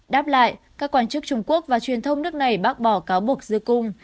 đáp lại các quan chức trung quốc và truyền thông nước này bác bỏ cáo buộc dư cung